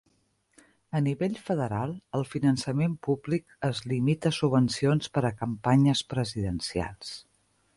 A nivell federal, el finançament públic es limita a subvencions per a campanyes presidencials.